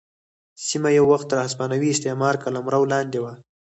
سیمه یو وخت تر هسپانوي استعمار قلمرو لاندې وه.